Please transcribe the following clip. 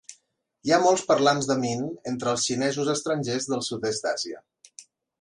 Hi ha molts parlants de min entre els xinesos estrangers del sud-est d'Àsia.